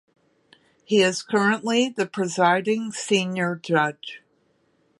He is currently the presiding senior judge.